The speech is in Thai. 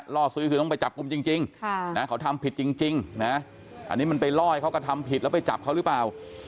ล่อซื้อคือต้องไปจับกลุ่มจริงเขาทำผิดจริงนะอันนี้มันไปล่อให้เขากระทำผิดแล้วไปจับเขาหรือเปล่า